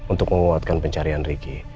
untuk menguatkan pencarian ricky